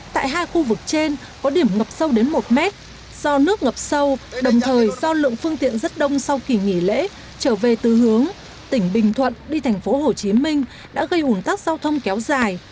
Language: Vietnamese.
tại hai khu vực trên có điểm ngập sâu đến một mét do nước ngập sâu đồng thời do lượng phương tiện rất đông sau kỳ nghỉ lễ trở về tư hướng tỉnh bình thuận đi thành phố hồ chí minh đã gây ủng tắc giao thông kéo dài